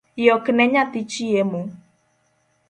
Yokne nyathi chiemo